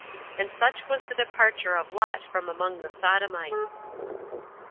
And such was the departure of Lot from among the Sodomites.